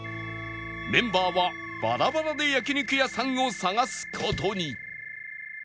メンバーはバラバラで焼肉屋さんを探す事に